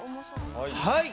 はい。